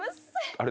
あれ。